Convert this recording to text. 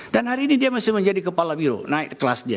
dan hari ini dia masih menjadi kepala biro naik kelas dia